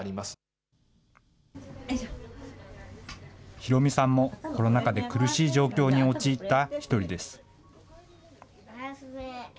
ヒロミさんもコロナ禍で苦しい状況に陥った一人です。